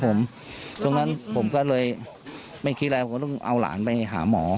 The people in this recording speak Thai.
ช่วงนั้นผมก็เลยไม่คิดอะไรผมก็ต้องเอาหลานไปหาหมอ